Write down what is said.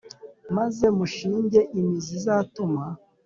Maze mushinge imizi itazuma